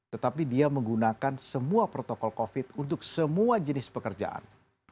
tetapi dia menggunakan semua protokol covid untuk semua jenis pekerjaan